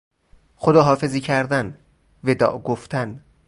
خداحافظی کردن، وداع گفتن